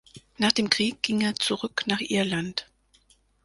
Nach dem Krieg ging er zurück nach Irland.